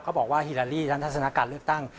เขาก็บอกว่าเฮลาลี่ทัศนการเลือกตั้ง